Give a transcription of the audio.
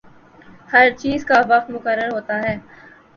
ہر چیز کا وقت مقرر ہوتا ہے۔